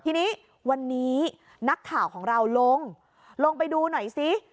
ทีนี้วันนี้นักข่าวของเราลงลงไปดูหน่อยซิ